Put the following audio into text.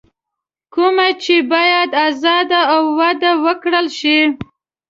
کومه چې بايد ازاده او وده ورکړل شي.